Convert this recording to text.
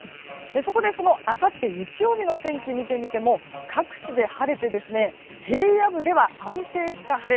そこで、そのあさって日曜日のお天気を見てみても各地で晴れて平野部では安定した晴れ。